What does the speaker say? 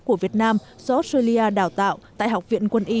của việt nam do australia đào tạo tại học viện quân y một trăm linh ba